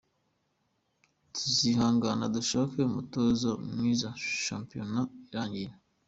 Tuzihangana dushake umutoza mwiza shampiyona irangiye.